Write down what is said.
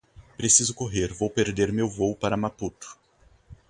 Preciso correr, vou perder meu voo para Maputo.